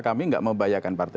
kami tidak membayarkan partai